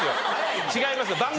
違いますよ。